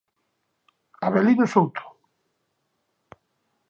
Avelino Souto.